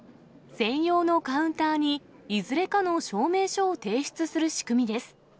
専用のカウンターに、いずれかの証明書を提出する仕組みです。